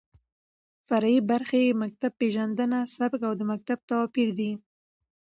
فرعي برخې يې مکتب پېژنده، سبک او مکتب تواپېر دى.